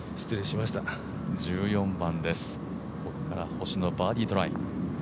１４番です、奥から星野バーディートライ。